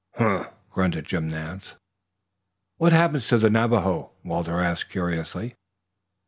"Humph!" grunted Jim Nance. "What happens to the Navajo?" Walter asked curiously.